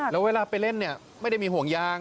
แล้วเวลาไปเล่นเนี่ยไม่ได้มีห่วงยาง